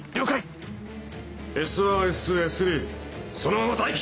Ｓ１Ｓ２Ｓ３そのまま待機！